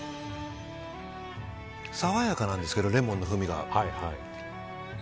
爽やかなんですけどレモンの風味が。